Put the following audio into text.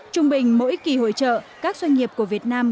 trung bình mỗi kỳ hội trợ các doanh nghiệp của việt nam